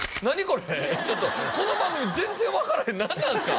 これちょっとこの番組全然分からへん何なんですか？